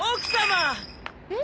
えっ？